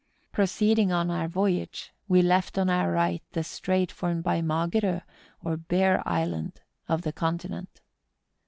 Proceeding on our voyage, we left on our right the strait formed by Mageroe, or Bare Island, of the continent.